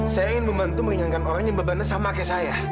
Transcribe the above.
saya ingin membantu menginginkan orang yang berbannya sama kayak saya